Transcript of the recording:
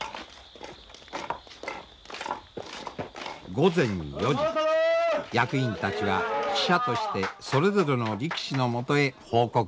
午前４時役員たちが使者としてそれぞれの力士のもとへ報告に向かいます。